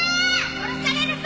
殺されるぞ！